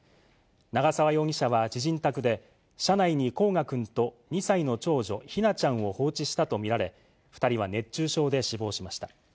長沢容疑者は知人宅で、車内に煌翔くんと２歳の長女、姫梛ちゃんを放置したと見られ、２人は熱中症で死亡しました。